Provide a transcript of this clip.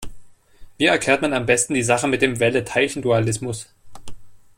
Wie erklärt man am besten die Sache mit dem Welle-Teilchen-Dualismus?